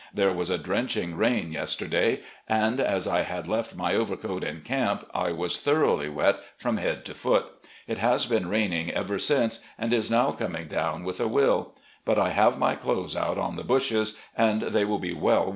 Thra e was a drenching rain yesterday, and as I had left my overcoat in camp I was thoroughly wet from head to foot. It has been raining ever since and is now coming down with a wiU. But I have my clothes out on the bushes and they will be well washed.